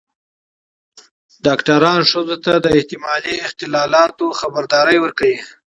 ډاکتران ښځو ته د احتمالي اختلالاتو خبرداری ورکوي.